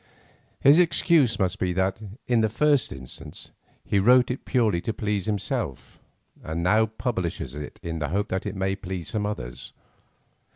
His excuse must be that, in the first instance, he wrote it purely to please himself and now publishes it in the hope that it may please some others.